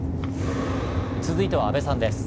続いては阿部さんです。